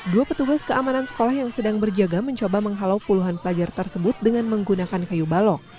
dua petugas keamanan sekolah yang sedang berjaga mencoba menghalau puluhan pelajar tersebut dengan menggunakan kayu balok